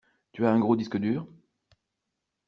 Tu as un gros disque dur?